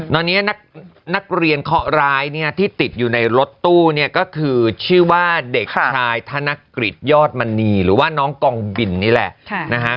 ตอนนี้นักเรียนเคาะร้ายเนี่ยที่ติดอยู่ในรถตู้เนี่ยก็คือชื่อว่าเด็กชายธนกฤษยอดมณีหรือว่าน้องกองบินนี่แหละนะฮะ